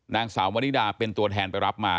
นางสาวมริดาเป็นตัวแทนไปรับมา